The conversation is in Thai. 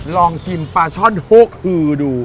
ลองชิมปลาช่อนโฮกฮือดู